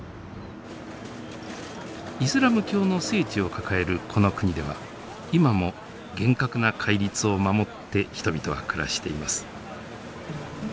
イスラム教の聖地を抱えるこの国では今も厳格な戒律を守って人々は暮らしています。